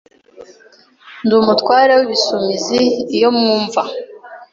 Ndi umutware w’Ibisumizi Iyo mwumva